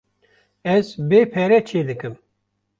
Ez bê pere çê dikim.